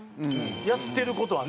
やってる事はね。